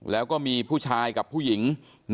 แล้วก็มีผู้ชายกับผู้หญิง